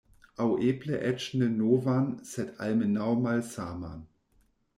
Aŭ eble eĉ ne novan sed almenaŭ malsaman.